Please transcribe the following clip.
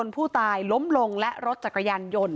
ผู้ตายล้มลงและรถจักรยานยนต์